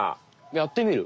やってみる？